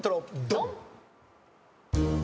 ドン！